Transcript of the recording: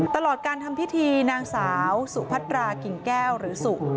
ตลอดการทำพิธีนางสาวสุพัตรากิ่งแก้วหรือสุ